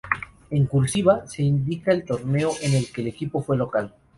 En "cursiva", se indica el torneo en que el equipo fue local.